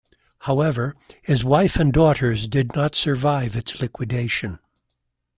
However, his wife and daughters did not survive its liquidation.